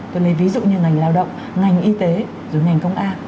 tôi lấy ví dụ như ngành lao động ngành y tế rồi ngành công an